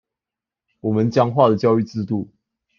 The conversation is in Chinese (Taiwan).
我們僵化的教育制度